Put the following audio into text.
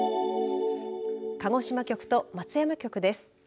鹿児島局と松山局です。